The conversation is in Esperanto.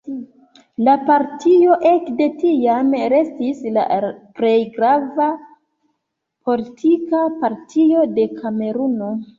La partio ekde tiam restis la plej grava politika partio de Kameruno.